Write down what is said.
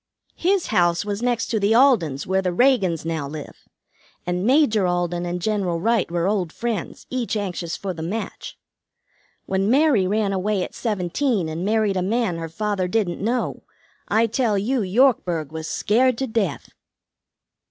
His house was next to the Aldens', where the Reagans now live, and Major Alden and General Wright were old friends, each anxious for the match. When Mary ran away at seventeen and married a man her father didn't know, I tell you Yorkburg was scared to death."